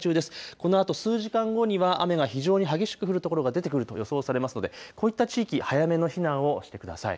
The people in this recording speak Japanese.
このあと数時間後には雨が非常に激しく降る所が出てくると予想されますのでこういった地域早めの避難をしてください。